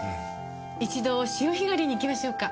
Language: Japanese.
一度潮干狩りに行きましょうか。